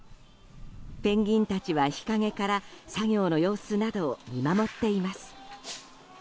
ペンギンたちは日陰から作業の様子などを見守っています。